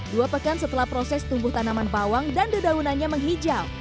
dua pekan setelah proses tumbuh tanaman bawang dan dedaunannya menghijau